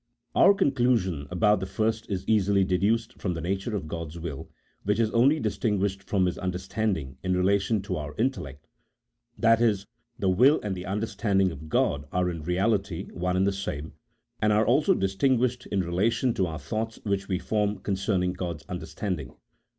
Our conclusion about the first is easily deduced from the nature of God's will, which is only distinguished from His understanding in relation to our intellect — that is, the will and the understanding of God are in reality one and the same, and are only distinguished in relation to our thoughts which we form concerning God's understanding.